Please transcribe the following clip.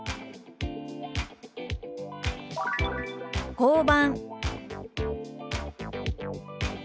「交番」。